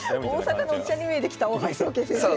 大阪のおっちゃんに見えてきた大橋宗桂先生が。